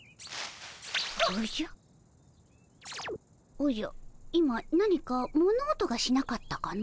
おじゃ今何か物音がしなかったかの？